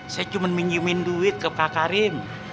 dia cuma minjumin duit ke pak karim